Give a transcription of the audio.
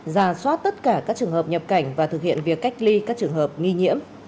ra soát tất cả các trường hợp nhập cảnh và thực hiện việc cách ly các trường hợp nghi nhiễm